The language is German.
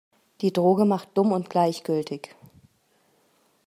Die Droge macht dumm und gleichgültig.